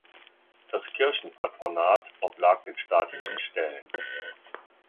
Das Kirchenpatronat oblag den staatlichen Stellen.